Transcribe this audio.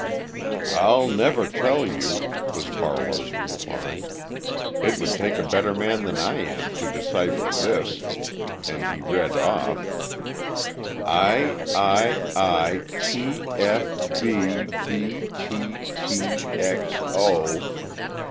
"I'll never tell you," was Barlow's reply. "It would take a better man than I am to decipher this," and he read off: "I i i t f b b t t x o...."